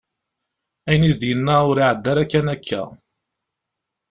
Ayen i as-d-yenna ur iɛedda ara kan akka.